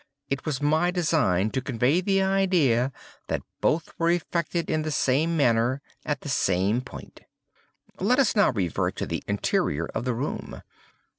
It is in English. It was my design to convey the idea that both were effected in the same manner, at the same point. Let us now revert to the interior of the room.